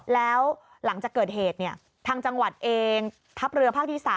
แล้วหลังจากเกิดเหตุทางจังหวัดเองทัพเรือภาคที่๓